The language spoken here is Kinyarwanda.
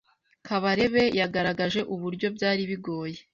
Kabarebe yagaragaje uburyo byari bigoye